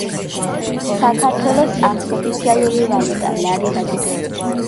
საქართველოს აქვს ოფიალური ვალუტა ,,ლარი" და ,,თეთრი".